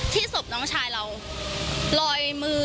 ดีกว่าจะได้ตัวคนร้าย